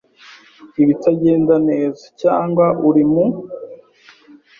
ibitagenda neza cyangwa uri mu